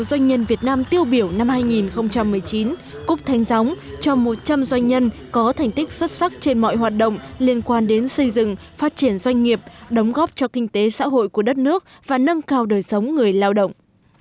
doanh nhân việt nam tiêu biểu năm hai nghìn một mươi chín cúp thanh gióng cho một trăm linh doanh nhân có thành tích xuất sắc trên mọi hoạt động liên quan đến xây dựng phát triển doanh nghiệp đóng góp cho kinh tế xã hội của đất nước và nâng cao đời sống người lao động